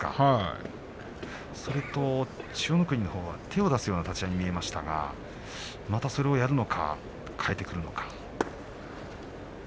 それと千代の国、手を出すような立ち合いに見えましたがまたそれをやるのか変えてくるのか。